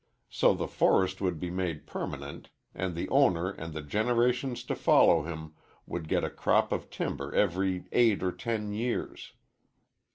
So the forest would be made permanent, and the owner and the generations to follow him would get a crop of timber every eight or ten years.